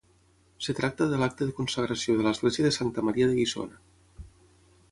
Es tracta de l'acte de consagració de l'església de santa Maria de Guissona.